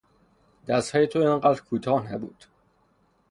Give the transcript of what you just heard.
دستهای تو این قدر کوتاه نبود.